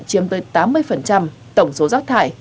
chiêm tới tám mươi tổng số rác thải